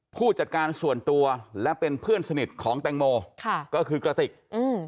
ผู้จัดการส่วนตัวและเป็นเพื่อนสนิทของแตงโมค่ะก็คือกระติกอืม